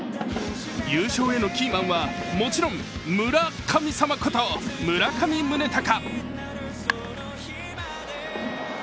優勝へのキーマンは、もちろん村神様こと村上宗隆。